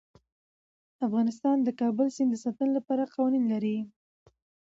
افغانستان د د کابل سیند د ساتنې لپاره قوانین لري.